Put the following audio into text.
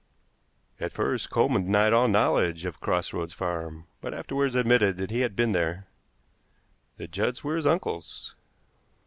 At first Coleman denied all knowledge of Cross Roads Farm, but afterward admitted that he had been there. The Judds were his uncles.